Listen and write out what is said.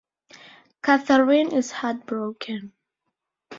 Catherine is heartbroken.